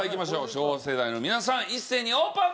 昭和世代の皆さん一斉にオープン！